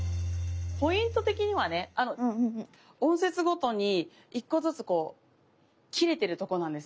ポイント的にはね音節ごとに１個ずつこう切れてるとこなんですね。